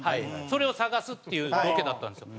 それを探すっていうロケだったんですよ。